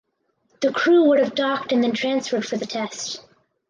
The crew would have docked and then transferred for the test.